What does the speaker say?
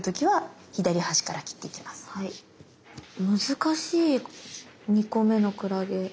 難しい２個目のクラゲ。